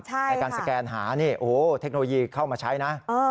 ในการสแกนหานี่โอ้โหเทคโนโลยีเข้ามาใช้นะ